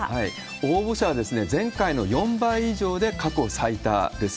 応募者は前回の４倍以上で、過去最多です。